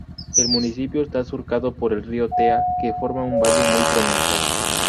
El municipio está surcado por el río Tea que forma un valle muy pronunciado.